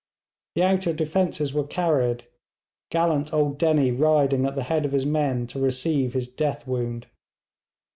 The outer defences were carried, gallant old Dennie riding at the head of his men to receive his death wound.